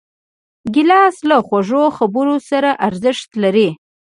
ګیلاس له خوږو خبرو سره ارزښت لري.